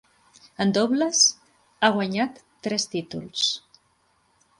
En dobles, ha guanyat tres títols.